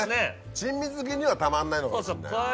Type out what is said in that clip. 珍味好きにはたまんないのかもしんない。